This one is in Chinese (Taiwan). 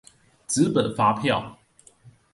紙本發票